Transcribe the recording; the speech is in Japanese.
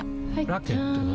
ラケットは？